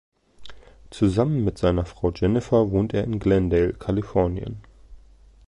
Zusammen mit seiner Frau Jennifer wohnt er in Glendale, Kalifornien.